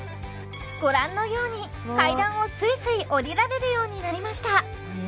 ご覧のように階段をスイスイ下りられるようになりました